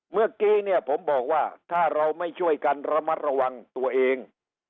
เมื่อกี้เนี่ยผมบอกว่าถ้าเราไม่ช่วยกันระมัดระวังตัวเอง